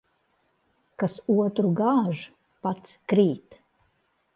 Kas otru gāž, pats krīt.